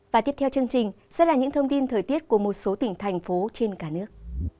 và tiếp theo chương trình sẽ là những thông tin thời tiết của một số tỉnh thành phố trên cả nước